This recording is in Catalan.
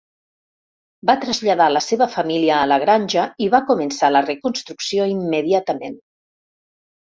Va traslladar la seva família a la granja i va començar la reconstrucció immediatament.